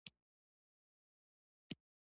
سک او جین مذهبونه هم شته.